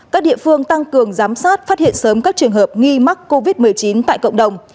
các địa phương tăng cường giám sát phát hiện sớm các trường hợp nghi mắc covid một mươi chín tại cộng đồng